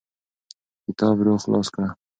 کتاب ورو خلاص کړه.